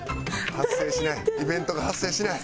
発生しない。